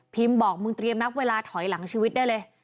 บอกมึงเตรียมนับเวลาถอยหลังชีวิตได้เลย